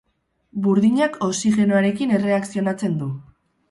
Burdinak oxigenoarekin erreakzionatzen du.